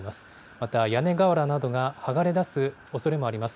また屋根瓦などが剥がれだすおそれもあります。